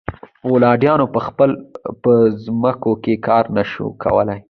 فیوډالانو په خپله په ځمکو کې کار نشو کولی.